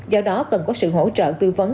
do đó cần có sự hỗ trợ tư vấn